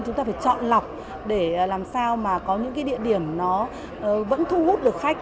chúng ta phải chọn lọc để làm sao mà có những cái địa điểm nó vẫn thu hút được khách